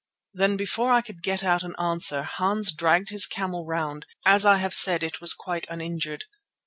Then before I could get out an answer, Hans dragged his camel round; as I have said, it was quite uninjured.